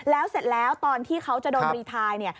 แล้วเสร็จแล้วตอนที่เขาจะโดนรีไทร